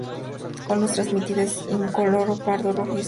Con luz transmitida es incoloro, pardo rojizo o rojo.